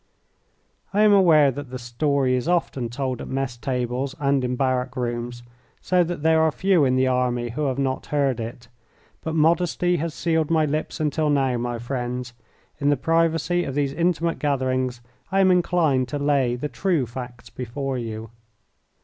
I am aware that the story is often told at mess tables and in barrack rooms, so that there are few in the army who have not heard it, but modesty has sealed my lips, until now, my friends, in the privacy of these intimate gatherings, I am inclined to lay the true facts before you.